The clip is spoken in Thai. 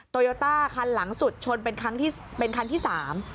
โตโยต้าคันหลังสุดชนเป็นคันที่สาม